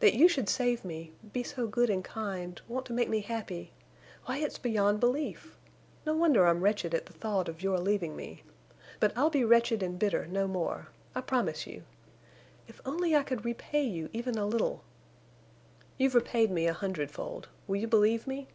That you should save me—be so good and kind—want to make me happy—why, it's beyond belief. No wonder I'm wretched at the thought of your leaving me. But I'll be wretched and bitter no more. I promise you. If only I could repay you even a little—" "You've repaid me a hundredfold. Will you believe me?"